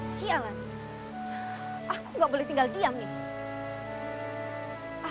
sialan aku gak boleh tinggal diam nih